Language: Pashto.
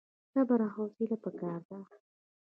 صبر او حوصله پکار ده